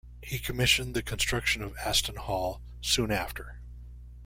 He commissioned the construction of Aston Hall soon after.